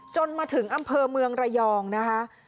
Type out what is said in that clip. จนมาถึงอำเภอเมืองระยองนะคะ